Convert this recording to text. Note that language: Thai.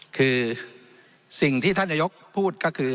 คือสิ่งที่ท่านนายกพูดก็คือ